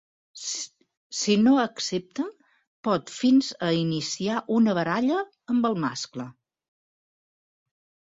Si no accepta, pot fins a iniciar una baralla amb el mascle.